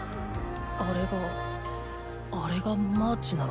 あれがあれがマーチなのか？